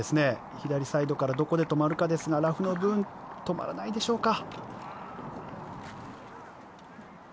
左サイドからどこで止まるかですがラフの分止まらないでしょうか。